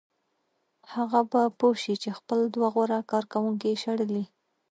هغه به پوه شي چې خپل دوه غوره کارکوونکي یې شړلي